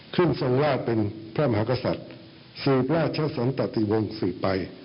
ขึ้นทรงราชเป็นพระมหากษัตริย์สูบราชสันตะทีวงศึกไป